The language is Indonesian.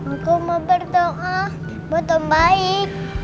aku mau berdoa buat ong baik